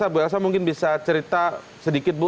bu elsa mungkin bisa cerita sedikit bu